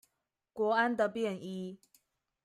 國安的便衣